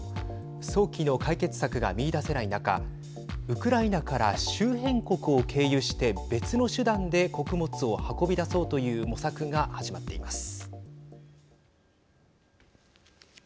早期の解決策が見いだせない中ウクライナから周辺国を経由して別の手段で穀物を運び出そうという模索が始まっています。